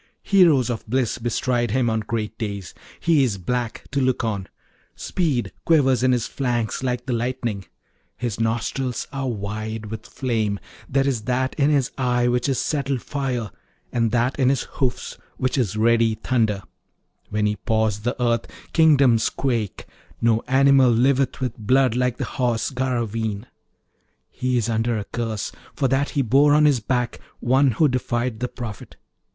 Heroes of bliss bestride him on great days. He is black to look on; speed quivers in his flanks like the lightning; his nostrils are wide with flame; there is that in his eye which is settled fire, and that in his hoofs which is ready thunder; when he paws the earth kingdoms quake: no animal liveth with blood like the Horse Garraveen. He is under a curse, for that he bore on his back one who defied the Prophet.